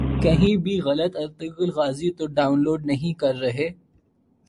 کہیں بھی غلط ارطغرل غازی تو ڈان لوڈ نہیں کر رہے